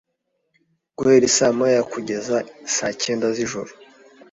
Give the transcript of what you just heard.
guhera I saa moya kugeza saa cyenda z’ijoro